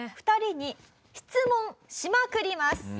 ２人に質問しまくります。